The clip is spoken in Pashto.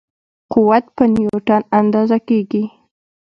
قوت په نیوټن اندازه کېږي.